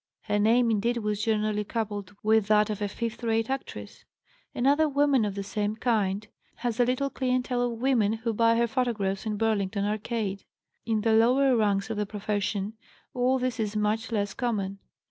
Her name, indeed, was generally coupled with that of a fifth rate actress. Another woman of the same kind has a little clientele of women who buy her photographs in Burlington Arcade. In the lower ranks of the profession all this is much less common.